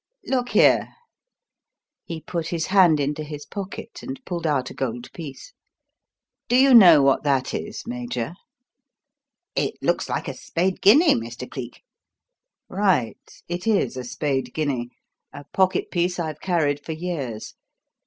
Look here" he put his hand into his pocket and pulled out a gold piece "do you know what that is, Major?" "It looks like a spade guinea, Mr. Cleek." "Right; it is a spade guinea a pocket piece I've carried for years.